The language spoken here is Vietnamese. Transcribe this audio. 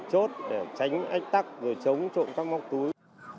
chốt để tránh ách tắc rồi chống trộm các móc túi